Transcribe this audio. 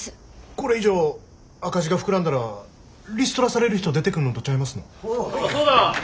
これ以上赤字が膨らんだらリストラされる人出てくんのとちゃいますの？